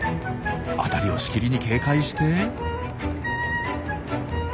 辺りをしきりに警戒して。